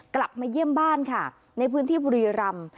กลับมาเยี่ยมบ้านค่ะในพื้นที่บุรีรำ